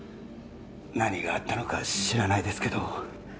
何があったのか知らないですけど